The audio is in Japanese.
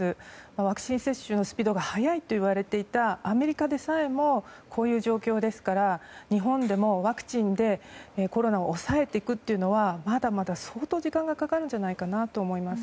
ワクチン接種のスピードが速いといわれていたアメリカでさえもこういう状況ですから日本でもワクチンでコロナを抑えていくというのはまだまだ相当時間がかかるんじゃないかなと思います。